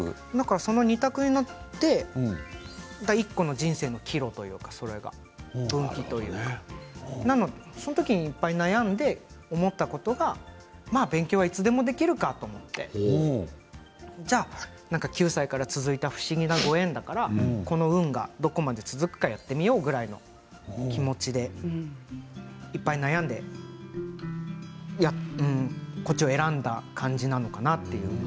その２択で人生の１個の岐路分岐というかその時にいっぱい悩んで思ったことがまあ、勉強はいつでもできるかと思ってじゃあ、９歳から続いた不思議なご縁だからこの運がどこまで続くかやってみようぐらいの気持ちでいっぱい悩んでこっちを選んだ感じなのかなっていう。